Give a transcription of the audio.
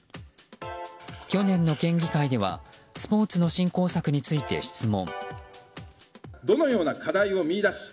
去年の県議会ではスポーツの振興策について質問。